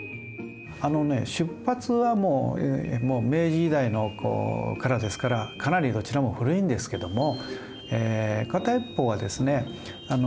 あのね出発はもう明治時代からですからかなりどちらも古いんですけども片一方はですね